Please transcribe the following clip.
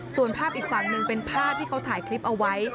ส่วนภาพอีกฝั่งหนึ่งเป็นภาพที่เขาถ่ายคลิปเอาไว้